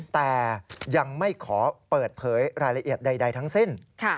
แต่ยังไม่ขอเปิดเผยรายละเอียดใดทั้งสิ้น